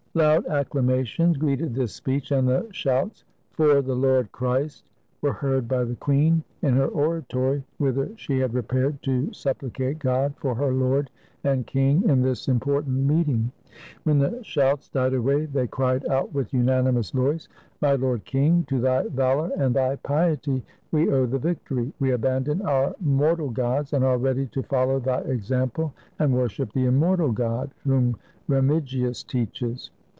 Loud acclamations greeted this speech, and the shouts "for the Lord Christ," were heard by the queen in her oratory, whither she had repaired to supplicate God for her lord and king in this important meeting. When the 149 FRANCE shouts died away, they cried out with unanimous voice :— "My lord king, to thy valor and thy piety we owe the victory. We abandon our mortal gods, and are ready to follow thy example and worship the immortal God whom Remigius teaches!"